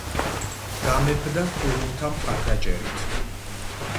გამეფდა ქურუმთა მხარდაჭერით.